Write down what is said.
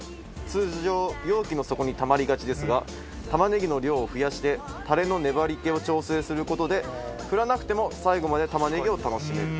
通常容器の底にたまりがちですが玉ねぎの量を増やしてタレの粘り気を調整する事で振らなくても最後まで玉ねぎを楽しめる。